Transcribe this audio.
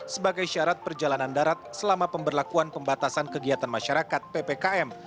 sebagai syarat perjalanan darat selama pemberlakuan pembatasan kegiatan masyarakat ppkm